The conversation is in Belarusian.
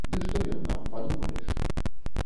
Ды што ён нам, падумаеш!